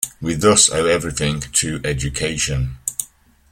We thus owe everything to education.